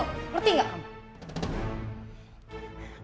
ngerti gak kamu